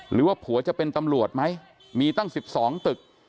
หรือว่าผัวจะเป็นตำรวจไหมมีตั้ง๑๒ตึก